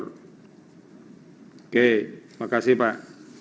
oke terima kasih pak